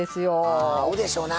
ああ合うでしょうな。